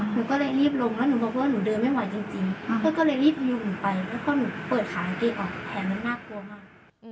หนูก็เลยรีบลงแล้วหนูบอกว่าหนูเดินไม่ไหวจริงก็เลยรีบรีบยุ่งหนูไปแล้วก็หนูเปิดขาดเต็มออกแผลมันน่ากลัวมาก